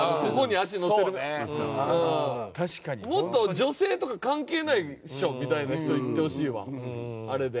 もっと女性とか関係ないでしょみたいな人にいってほしいわあれで。